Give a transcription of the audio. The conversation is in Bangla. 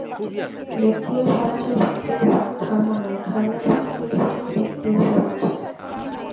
ব্যক্তি ও সমাজের ভিত্তির উপরে ধর্ম নয়, ধর্মের ভিত্তির উপরেই ব্যক্তি ও সমাজ।